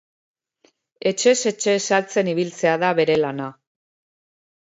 Etxez etxe saltzen ibiltzea da bere lana.